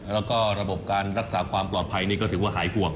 แล้วก็ระบบการรักษาความปลอดภัยนี่ก็ถือว่าหายห่วง